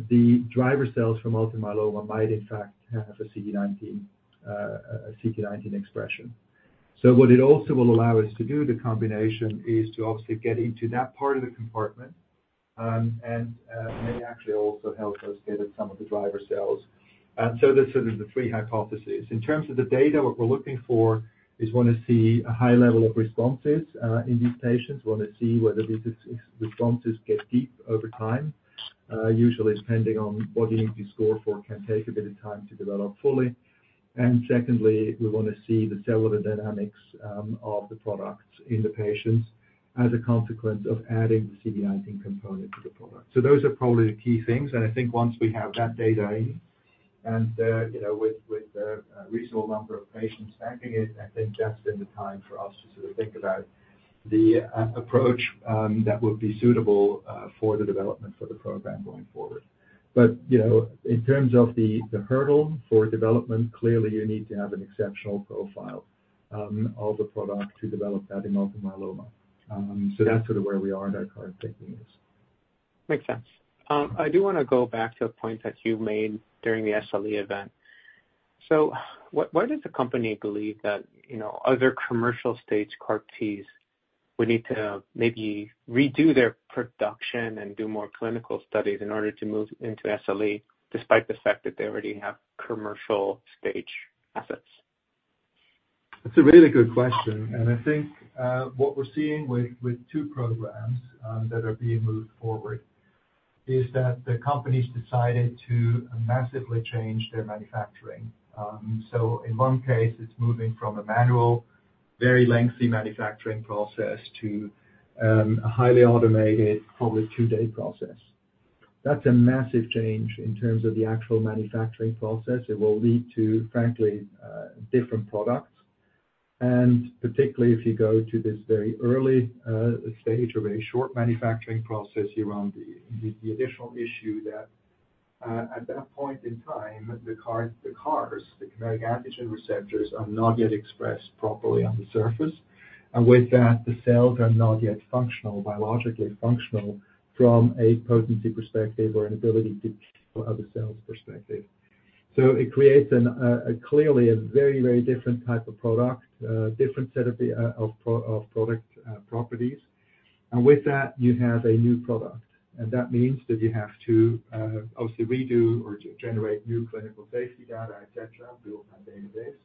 the driver cells from multiple myeloma might in fact have a CD19, a CD19 expression. So what it also will allow us to do, the combination, is to obviously get into that part of the compartment, and, may actually also help us get at some of the driver cells. And so that's sort of the three hypotheses. In terms of the data, what we're looking for, is we want to see a high level of responses, in these patients. We want to see whether these responses get deep over time, usually depending on what you need to score for, can take a bit of time to develop fully. And secondly, we want to see the cellular dynamics of the product in the patients as a consequence of adding the CD19 component to the product. So those are probably the key things, and I think once we have that data in, and you know, with a reasonable number of patients stacking it. I think that's then the time for us to sort of think about the approach that would be suitable for the development for the program going forward. But you know, in terms of the hurdle for development, clearly you need to have an exceptional profile of the product to develop that in multiple myeloma. So that's sort of where we are and our current thinking is. Makes sense. I do wanna go back to a point that you made during the SLE event. Why does the company believe that, you know, other commercial stage CAR T's would need to maybe redo their production and do more clinical studies in order to move into SLE, despite the fact that they already have commercial stage assets? That's a really good question, and I think, what we're seeing with, with two programs, that are being moved forward, is that the companies decided to massively change their manufacturing. So in one case, it's moving from a manual, very lengthy manufacturing process to, a highly automated, probably two-day process. That's a massive change in terms of the actual manufacturing process. It will lead to, frankly, different products, and particularly if you go to this very early, stage of a short manufacturing process around the, the additional issue that, at that point in time, the CAR, the CARs, the chimeric antigen receptors, are not yet expressed properly on the surface. And with that, the cells are not yet functional, biologically functional, from a potency perspective or an ability to kill other cells perspective. So it creates clearly a very, very different type of product, different set of product properties. And with that, you have a new product. And that means that you have to obviously redo or generate new clinical safety data, et cetera, build that database.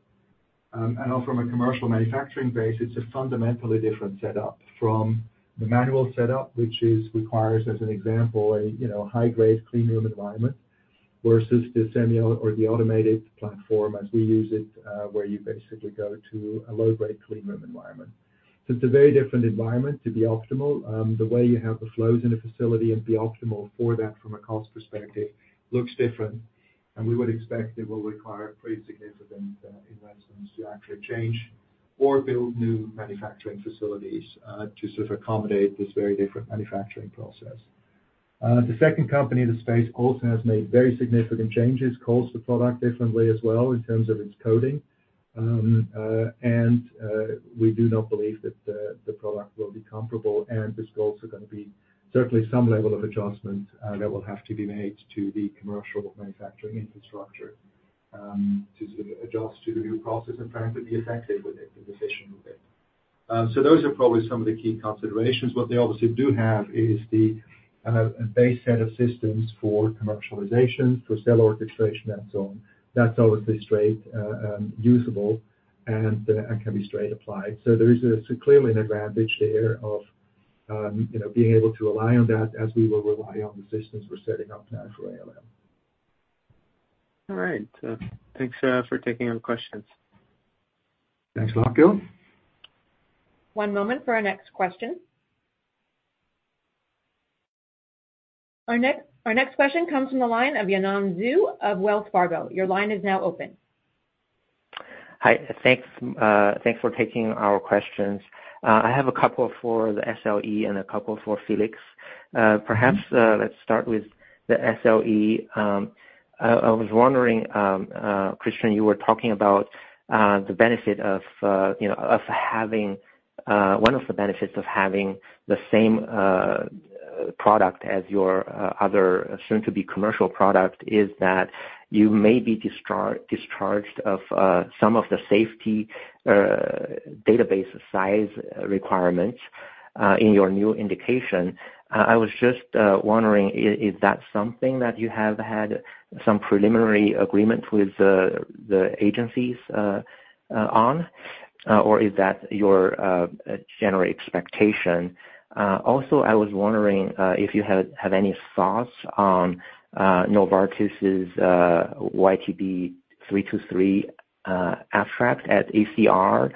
And from a commercial manufacturing base, it's a fundamentally different setup from the manual setup, which requires, as an example, you know, high-grade clean room environment, versus the semi or the automated platform as we use it, where you basically go to a low-grade clean room environment. So it's a very different environment to be optimal. The way you have the flows in the facility and be optimal for that from a cost perspective, looks different, and we would expect it will require pretty significant investments to actually change or build new manufacturing facilities to sort of accommodate this very different manufacturing process. The second company in the space also has made very significant changes, calls the product differently as well in terms of its coding. And we do not believe that the product will be comparable, and there's also gonna be certainly some level of adjustment that will have to be made to the commercial manufacturing infrastructure to sort of adjust to the new process and frankly, be effective with it, efficient with it. So those are probably some of the key considerations. What they obviously do have is the base set of systems for commercialization, for cell orchestration and so on. That's obviously straight usable and can be straight applied. So there is clearly an advantage there of you know, being able to rely on that as we will rely on the systems we're setting up now for ALL. All right. Thanks for taking our questions. Thanks a lot, Gil. One moment for our next question. Our next question comes from the line of Yanan Zhu of Wells Fargo. Your line is now open. Hi, thanks. Thanks for taking our questions. I have a couple for the SLE and a couple for FELIX. Perhaps let's start with the SLE. I was wondering, Christian, you were talking about the benefit of, you know, of having—one of the benefits of having the same product as your other soon-to-be commercial product is that you may be discharged of some of the safety database size requirements in your new indication. I was just wondering, is that something that you have had some preliminary agreement with the agencies on? Or is that your general expectation? Also, I was wondering if you have any thoughts on Novartis's YTB323 abstract at ACR.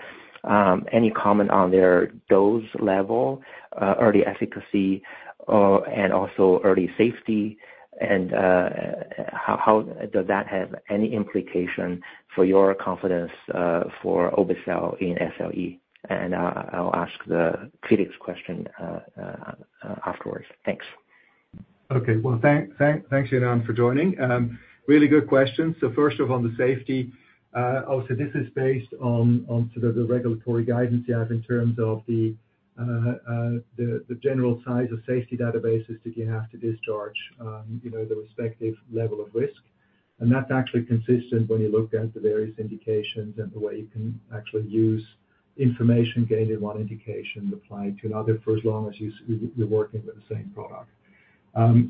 Any comment on their dose level, early efficacy, and also early safety, and how does that have any implication for your confidence for obe-cel in SLE? I'll ask the FELIX question afterwards. Thanks. Okay. Well, thanks, Yanan, for joining. Really good question. So first off, on the safety, obviously, this is based on sort of the regulatory guidance you have in terms of the general size of safety databases that you have to discharge, you know, the respective level of risk. And that's actually consistent when you look at the various indications and the way you can actually use information gained in one indication applied to another, for as long as you're working with the same product.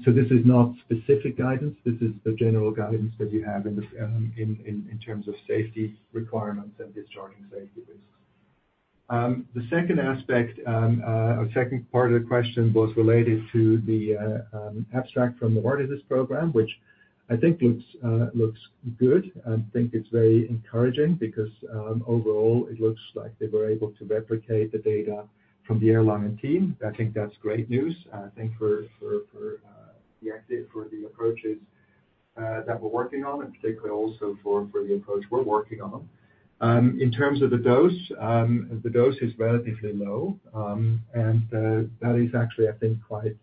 So this is not specific guidance. This is the general guidance that you have in this, in terms of safety requirements and discharging safety risks. The second aspect, or second part of the question was related to the abstract from Novartis program, which I think looks good. I think it's very encouraging because, overall, it looks like they were able to replicate the data from the Erlangen team. I think that's great news. I think for the approaches that we're working on, and particularly also for the approach we're working on. In terms of the dose, the dose is relatively low, and that is actually, I think, quite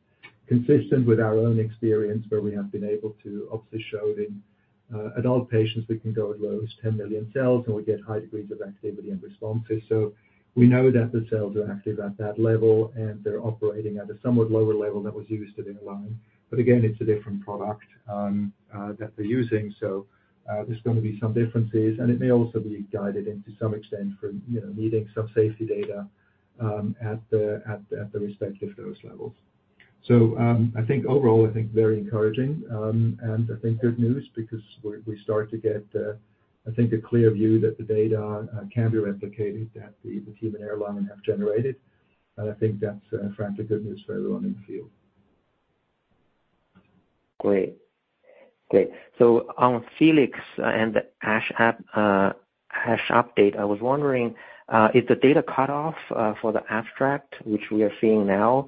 consistent with our own experience, where we have been able to obviously show in adult patients, we can go as low as 10 million cells, and we get high degrees of activity and responses. So we know that the cells are active at that level, and they're operating at a somewhat lower level that was used in the ALL trial. But again, it's a different product that they're using. So, there's going to be some differences, and it may also be guided to some extent for, you know, needing some safety data at the respective dose levels. So, I think overall, I think very encouraging, and I think good news because we start to get, I think, a clear view that the data can be replicated that the human ALL trial has generated. And I think that's frankly good news for everyone in the field. Great. Great. So on FELIX and the ASH abstract, ASH update, I was wondering, is the data cutoff for the abstract, which we are seeing now,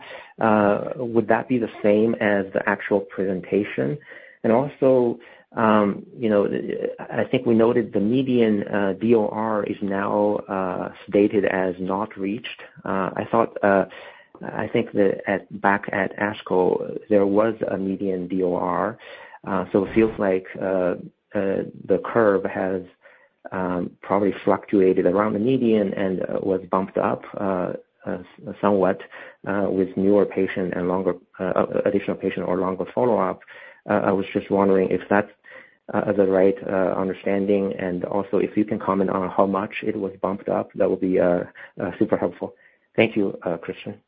would that be the same as the actual presentation? And also, you know, I think we noted the median DOR is now stated as not reached. I thought, I think that back at ASCO, there was a median DOR. So it feels like the curve has probably fluctuated around the median and was bumped up somewhat with newer patient and longer additional patient or longer follow-up. I was just wondering if that's the right understanding, and also if you can comment on how much it was bumped up, that would be super helpful. Thank you, Christian.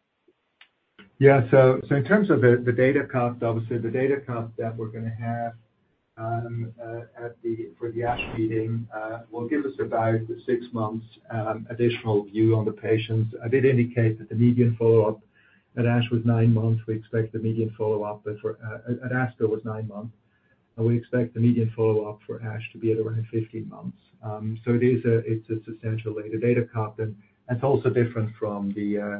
Yeah. So, in terms of the data cut, obviously, the data cut that we're gonna have at the ASH meeting will give us about the six months additional view on the patients. I did indicate that the median follow-up at ASH was nine months. We expect the median follow-up at ASCO was 9 months, and we expect the median follow-up for ASH to be at around 15 months. So it is a—it's a substantial data cut, and it's also different from the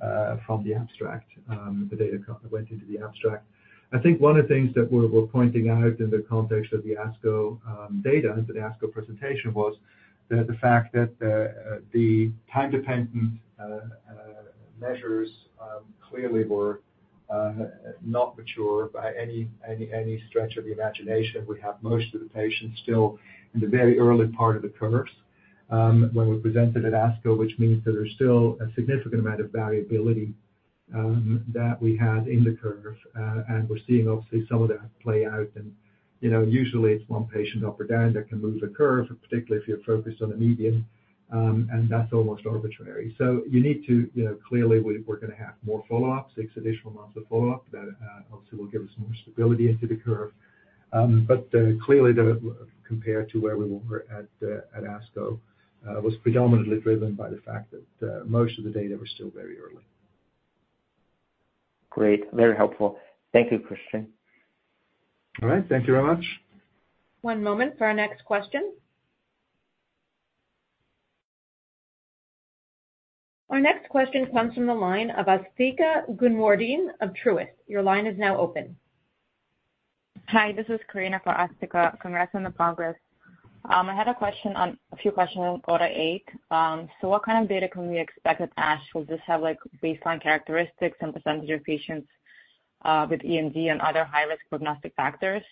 abstract, the data cut that went into the abstract. I think one of the things that we're pointing out in the context of the ASCO data, the ASCO presentation, was that the fact that the time-dependent measures clearly were not mature by any stretch of the imagination. We have most of the patients still in the very early part of the curves when we presented at ASCO, which means that there's still a significant amount of variability that we had in the curve. We're seeing, obviously, some of that play out, and you know, usually it's one patient up or down that can move the curve, particularly if you're focused on the median, and that's almost arbitrary. So you need to, you know, clearly, we're gonna have more follow-up, six additional months of follow-up, that obviously will give us more stability into the curve. But clearly, the compared to where we were at at ASCO was predominantly driven by the fact that most of the data were still very early. Great. Very helpful. Thank you, Christian. All right. Thank you very much. One moment for our next question. Our next question comes from the line of Asthika Goonewardene of Truist. Your line is now open. Hi, this is Karina for Asthika. Congrats on the progress. I had a question on a few questions on AUTO8. So what kind of data can we expect at ASH? Will this have, like, baseline characteristics and percentage of patients with EMD and other high-risk prognostic factors?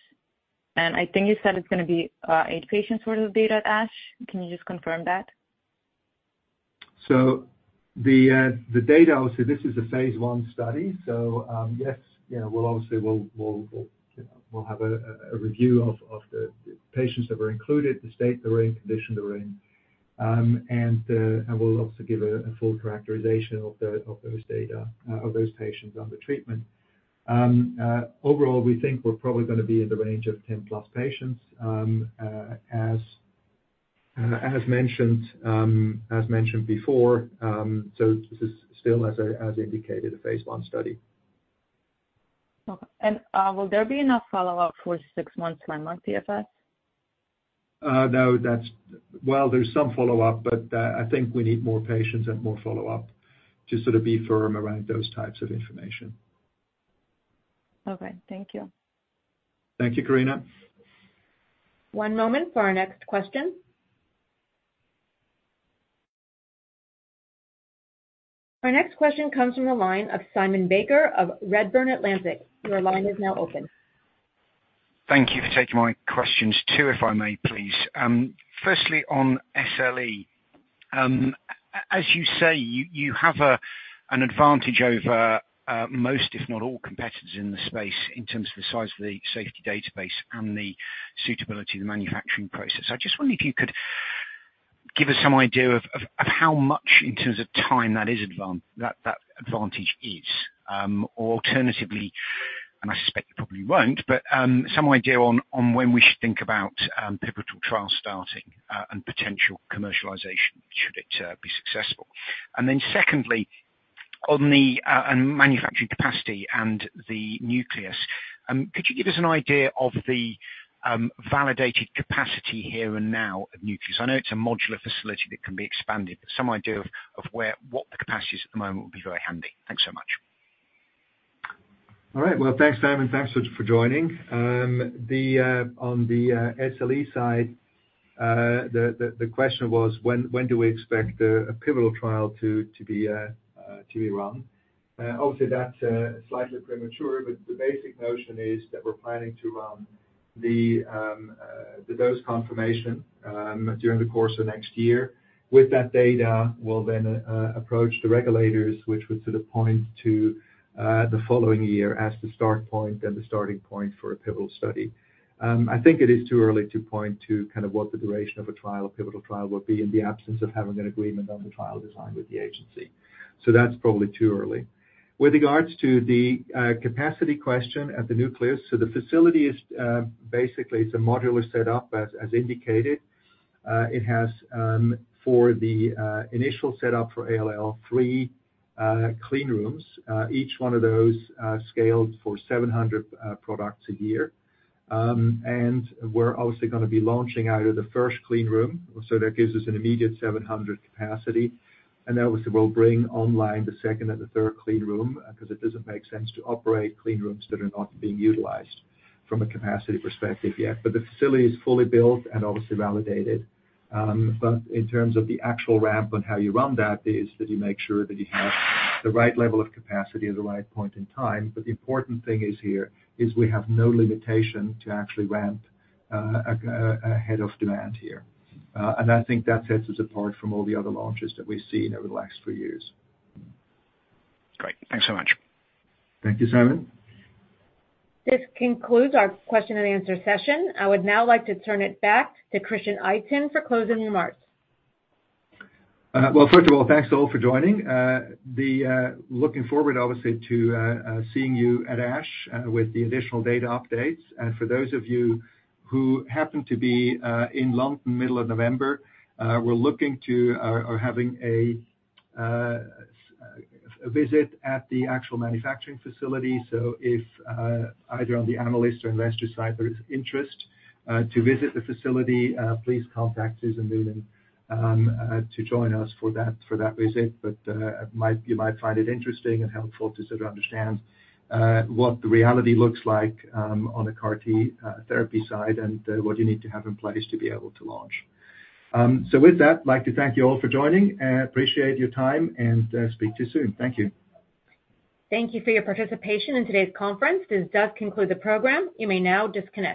And I think you said it's gonna be eight patients worth of data at ASH. Can you just confirm that? So the data, obviously, this is a phase I study, so yes, you know, we'll obviously have a review of the patients that were included, the state they're in, condition they're in. And we'll also give a full characterization of those data, of those patients on the treatment. Overall, we think we're probably gonna be in the range of 10+ patients, as mentioned, as mentioned before, so this is still, as I indicated, a phase I study. Okay. And will there be enough follow-up for six months, nine month PFS? No, that's—well, there's some follow-up, but I think we need more patients and more follow-up to sort of be firm around those types of information. Okay. Thank you. Thank you, Karina. One moment for our next question. Our next question comes from the line of Simon Baker of Redburn Atlantic. Your line is now open. Thank you for taking my questions, two, if I may, please. Firstly, on SLE, as you say, you have an advantage over most, if not all, competitors in the space in terms of the size of the safety database and the suitability of the manufacturing process. I just wonder if you could give us some idea of how much in terms of time that advantage is. Or alternatively, and I suspect you probably won't, but some idea on when we should think about pivotal trial starting and potential commercialization, should it be successful. And then secondly, on the manufacturing capacity and The Nucleus, could you give us an idea of the validated capacity here and now at Nucleus? I know it's a modular facility that can be expanded, but some idea of where, what the capacity is at the moment would be very handy. Thanks so much. All right. Well, thanks, Simon. Thanks for joining. On the SLE side, the question was, when do we expect a pivotal trial to be run? Obviously, that's slightly premature, but the basic notion is that we're planning the dose confirmation during the course of next year. With that data, we'll then approach the regulators, which would sort of point to the following year as the start point and the starting point for a pivotal study. I think it is too early to point to kind of what the duration of a pivotal trial would be in the absence of having an agreement on the trial design with the agency. So that's probably too early. With regards to the capacity question at The Nucleus, so the facility is basically, it's a modular set up as indicated. It has, for the initial set up for ALL, three clean rooms, each one of those scaled for 700 products a year. And we're obviously gonna be launching out of the first clean room, so that gives us an immediate 700 capacity. And then obviously, we'll bring online the second and the third clean room, 'cause it doesn't make sense to operate clean rooms that are not being utilized from a capacity perspective yet. But the facility is fully built and obviously validated. But in terms of the actual ramp and how you run that, is that you make sure that you have the right level of capacity at the right point in time. But the important thing is here, is we have no limitation to actually ramp ahead of demand here. And I think that sets us apart from all the other launches that we've seen over the last three years. Great. Thanks so much. Thank you, Simon. This concludes our question and answer session. I would now like to turn it back to Christian Itin for closing remarks. Well, first of all, thanks all for joining. Looking forward, obviously, to seeing you at ASH with the additional data updates. For those of you who happen to be in London middle of November, we're having a visit at the actual manufacturing facility. So if either on the analyst or investor side, there is interest to visit the facility, please contact Susan Leland to join us for that visit. But you might find it interesting and helpful to sort of understand what the reality looks like on the CAR T therapy side, and what you need to have in place to be able to launch. So with that, I'd like to thank you all for joining. Appreciate your time, and speak to you soon. Thank you. Thank you for your participation in today's conference. This does conclude the program. You may now disconnect.